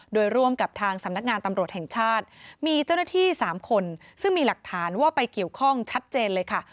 โดยร่วมกับทางสำนักงานตำรวจแห่งชาติมีเจ้าหน้าที่๓คนซึ่งมีหลักฐานว่าไปเกี่ยวข้องชัดเจนเลยค่ะ